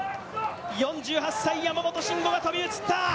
４８歳、山本進悟が飛び移った。